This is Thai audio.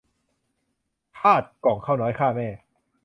ธาตุก่องข้าวน้อยฆ่าแม่